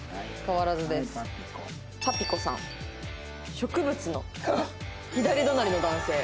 「植物の左隣の男性」